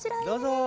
どうぞ。